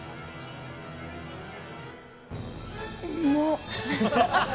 うんまっ！